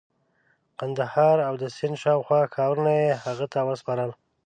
قندهار او د سند شاوخوا ښارونه یې هغه ته وسپارل.